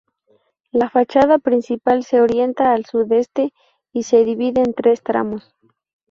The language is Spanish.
La fachada principal se orienta al sudeste y se divide en tres tramos.